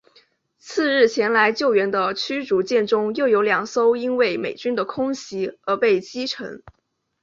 次日前来救援的驱逐舰中又有两艘因为美军的空袭而被击沉。